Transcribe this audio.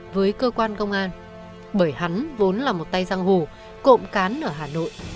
với cơ quan công an bởi hắn vốn là một tay giang hồ cộm cán ở hà nội